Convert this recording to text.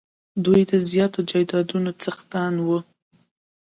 دوی د زیاتو جایدادونو څښتنان وي.